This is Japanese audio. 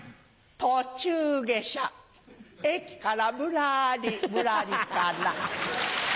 途中下車駅からぶらりぶらりかな。